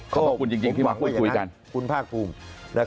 ขอบคุณจริงที่หวังว่าจะได้คุยกัน